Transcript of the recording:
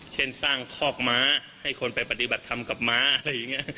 เช่นสร้างคอกม้าให้คนไปปฏิบัติธรรมกับม้าอะไรอย่างนี้